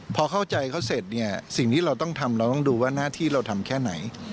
พอเข้าใจเขาเสร็จเนี่ยสิ่งที่เราต้องทำเราต้องดูว่าหน้าที่เราทำแค่ไหน